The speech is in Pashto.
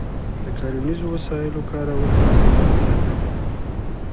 د کرنیزو وسایلو کارول حاصلات زیاتوي.